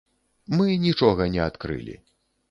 Мы нічога не адкрылі.